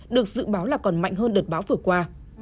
được dự báo là còn mạnh hơn đợt bão vừa qua